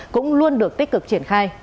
cũng luôn được tích cực triển khai